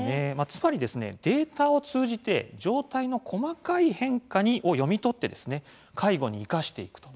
つまりデータを通じて状態の細かい変化を読み取って介護に生かしていくと。